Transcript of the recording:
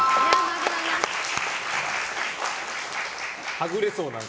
はぐれそう、何か。